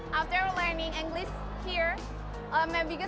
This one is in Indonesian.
sebenarnya anak anak tidak tahu bahasa inggris